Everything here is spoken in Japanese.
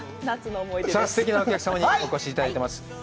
さあ、すてきなお客様にお越しいただいています。